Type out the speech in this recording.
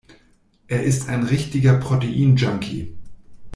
Er ist ein richtiger Protein-Junkie.